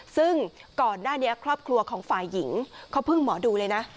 ซึ่งก่อนหน้านี้ครอบครัวของฝ่ายหญิงเขาพึ่งหมอดูเลยนะ